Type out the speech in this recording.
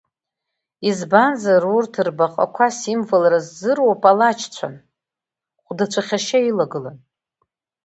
Избанзар урҭ рбаҟақәа символра ззыруа палачцәан, хәдацәахьы ашьа илагылан.